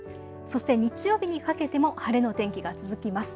そして日曜日にかけても晴れの天気が続きます。